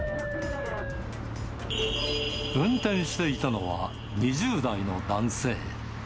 運転していたのは２０代の男性。